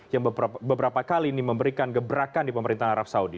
yang beberapa kali ini memberikan gebrakan di pemerintahan arab saudi